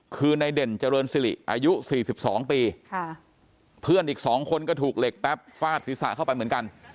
คือในเด่นเจริญสิริอายุ๔๒ปีเพื่อนอีก๒คนก็ถูกเหล็กแป๊บฟาดศีรษะเข้าไปเหมือนกัน